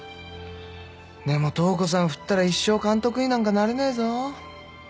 でも塔子さん振ったら一生監督になんかなれねえぞ？